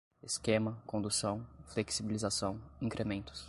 esquema, condução, flexibilização, incrementos